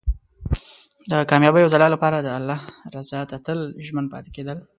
د کامیابۍ او ځلا لپاره د الله رضا ته تل ژمن پاتې کېدل.